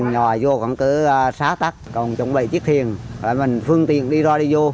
nhòa vô còn cứ xá tắc còn trống bầy chiếc thiền phải mình phương tiện đi ra đi vô